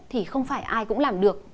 thì không phải ai cũng làm được